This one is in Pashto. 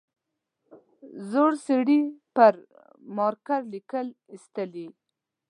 زوړ سړي پر مارکر ليکې ایستلې.